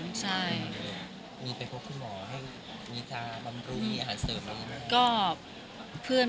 มีไปพบคุณหมอให้มีความบำรุยอาหารเสริมแบบนี้บ้างไหม